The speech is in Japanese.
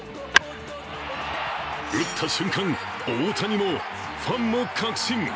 打った瞬間、大谷もファンも確信。